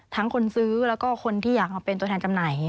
คนซื้อแล้วก็คนที่อยากมาเป็นตัวแทนจำหน่าย